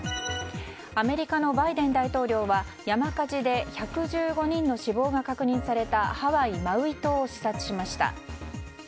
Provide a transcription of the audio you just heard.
アメリカのバイデン大統領は山火事で１１５人の死亡が確認されたハワイ・マウイ島を視察しました。